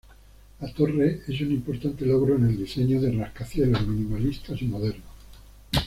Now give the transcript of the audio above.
La torre es un importante logro en el diseño de rascacielos minimalista y moderno.